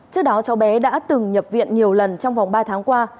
trước đó cháu bé đã từng nhập viện nhiều lần trong vòng ba tháng qua